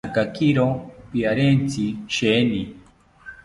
Nanakiro pariantzi sheeni